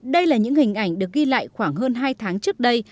đây là những hình ảnh được ghi lại khoảng hơn hai tháng trước đây